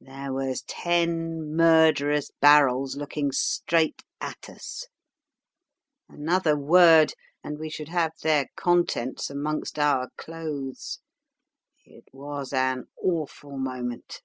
"There was ten murderous barrels looking straight at us. Another word, and we should have their contents amongst our clothes. It was an awful moment.